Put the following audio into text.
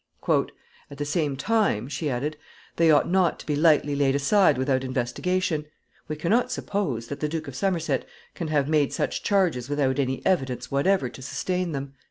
[Sidenote: Proposes an investigation.] "At the same time," she added, "they ought not to be lightly laid aside without investigation. We can not suppose that the Duke of Somerset can have made such charges without any evidence whatever to sustain them."